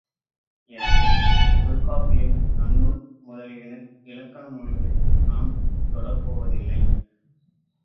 எனவே, தொல்காப்பியம், நன்னூல் முதலிய இலக்கண நூல்களை நான் தொடப்போவதில்லை.